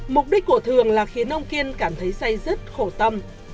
mục đích của thường là khiến ông kiên cảm thấy say rứt khổ tâm